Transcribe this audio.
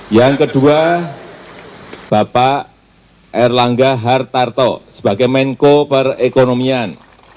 yang kedua bapak erlangga hartarto sebagai menko perekonomian